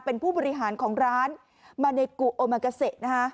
เป็นผู้บริหารของร้านมาเนกุโอมากาเซนะคะ